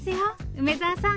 梅沢さん。